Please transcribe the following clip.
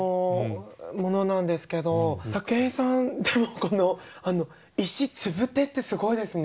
武井さんのこの「石飛礫」ってすごいですね。